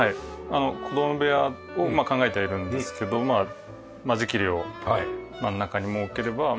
あの子供部屋を考えているんですけど間仕切りを真ん中に設ければ２部屋できると。